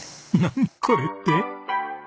これ」って。